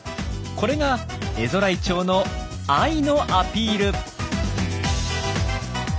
これがエゾライチョウの愛のアピール。